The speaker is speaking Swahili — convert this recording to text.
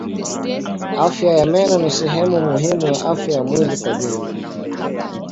Afya ya meno ni sehemu muhimu ya afya ya mwili kwa jumla.